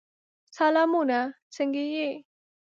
سلامونه! څنګه یې؟